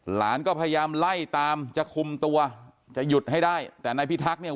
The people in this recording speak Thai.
หลานก็พยายามไล่ตามจะคุมตัวจะหยุดให้ได้แต่นายพิทักษ์เนี่ย